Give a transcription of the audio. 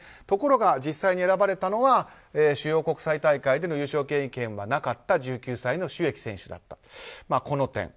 ところが、実際に選ばれたのは主要国際大会での優勝経験はなかった１９歳のシュ・エキ選手だったという点。